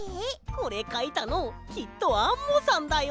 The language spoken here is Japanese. これかいたのきっとアンモさんだよ。